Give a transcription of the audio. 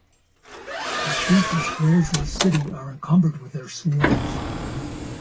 The streets and squares of the city are encumbered with their swarms.